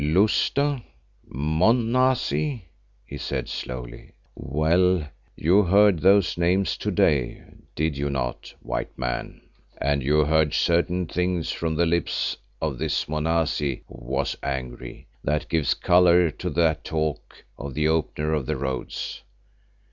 "Lousta! Monazi!" he said slowly. "Well, you heard those names to day, did you not, White Man? And you heard certain things from the lips of this Monazi who was angry, that give colour to that talk of the Opener of Roads.